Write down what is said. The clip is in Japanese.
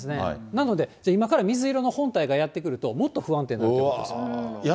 なので、じゃあ今から水色の本体がやって来ると、もっと不安定になってくるんです。